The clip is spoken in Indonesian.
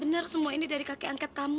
benar semua ini dari kakek angket kamu